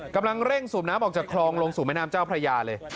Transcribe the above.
กำลังเร่งสูบน้ำออกจากคลองลงสู่แม่น้ำเจ้าพระยาเลย